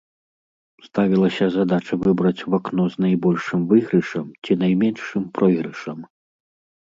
Ставілася задача выбраць вакно з найбольшым выйгрышам ці найменшым пройгрышам.